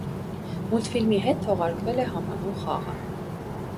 Մուլտֆիլմի հետ թողարկվել է համանուն խաղը։